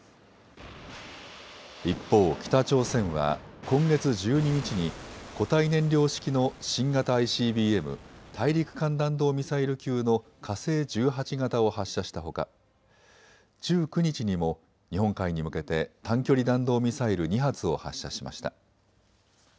一方、北朝鮮は今月１２日に固体燃料式の新型ＩＣＢＭ・大陸間弾道ミサイル級の火星１８型を発射したほか１９日にも日本海に向けて短距離弾道ミサイル２発を発射しました。